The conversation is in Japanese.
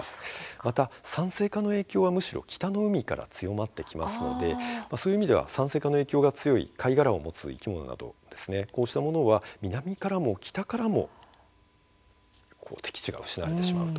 また酸性化の影響はむしろ北の海から強まってきますのでそういう意味では酸性化の影響が強い、貝殻を持つ生き物などこうしたものは南からも北からも適地が失われてしまう。